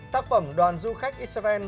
tác phẩm đoàn du khách israel